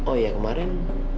oh iya kemarin